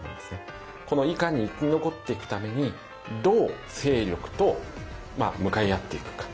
このいかに生き残っていくためにどう勢力と向かい合っていくか。